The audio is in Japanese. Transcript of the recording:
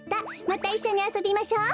またいっしょにあそびましょう！